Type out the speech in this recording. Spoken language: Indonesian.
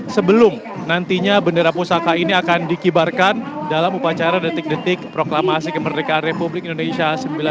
sebelum nantinya bendera pusaka ini akan dikibarkan dalam upacara detik detik proklamasi kemerdekaan republik indonesia tujuh puluh delapan